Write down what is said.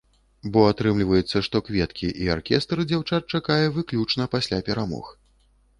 Бо атрымліваецца, што кветкі і аркестр дзяўчат чакае выключна пасля перамог.